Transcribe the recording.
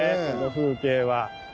この風景は。